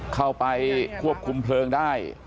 เข้าไปควบคุมเพลิงได้